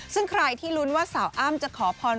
ซึ่งใครที่ลุ้นว่าสาวอ้ำจะขอพร